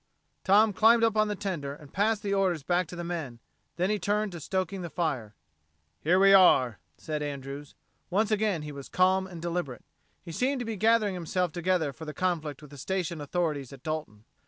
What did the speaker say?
Tom climbed up on the tender and passed the orders back to the men; then he turned to stoking the fire. "Here we are," said Andrews. Once again he was calm and deliberate. He seemed to be gathering himself together for the conflict with the station authorities at Dalton.